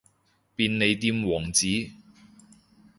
便利店王子